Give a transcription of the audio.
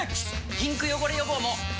ピンク汚れ予防も！